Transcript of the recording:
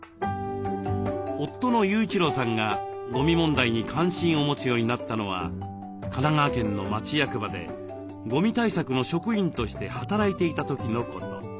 夫の雄一郎さんがゴミ問題に関心を持つようになったのは神奈川県の町役場でゴミ対策の職員として働いていた時のこと。